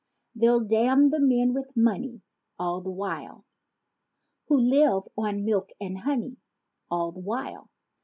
They'll damn the men with money All the while Who "live on milk and honey" All the while.